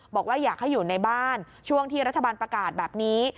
บอกว่าอยากให้อยู่ในบ้านช่วงที่รัฐบาลประกาศแบบนี้